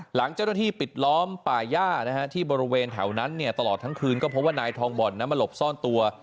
หลังเจ้าหน้าที่ปิดล้อมป่าย่าที่บริเวณแถวนั้นตลอดทั้งคืนก็พบว่านายทองบ่อนนั้นมาหลบซ่อนตัว